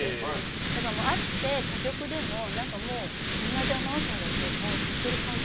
だから、会って、他局でももう同じアナウンサーだと知ってる感じ。